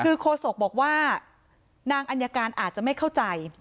คือโคศกบอกว่านางอัญญาการอาจจะไม่เข้าใจ